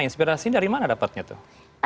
inspirasinya dari mana dapatnya tuh